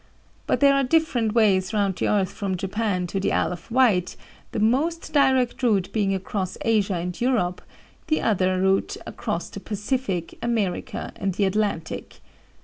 But there are different ways round the earth from Japan to the Isle of Wight, the most direct route being across Asia and Europe; the other route across the Pacific, America, and the Atlantic.